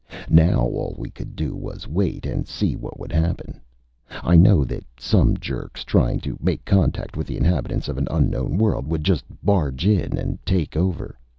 Now all we could do was wait and see what would happen. I know that some jerks, trying to make contact with the inhabitants of an unknown world, would just barge in and take over.